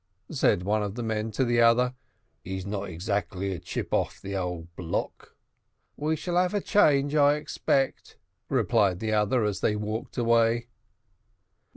said one of the men to the other; "he's not exactly a chip of the old block." "We shall have a change, I expect," replied the other, as they walked away.